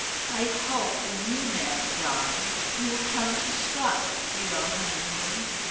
"I hope when you marry, darling, you will come to Scotland for your honeymoon.